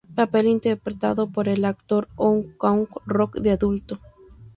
Papel interpretado por el actor Oh Kwang-rok de adulto.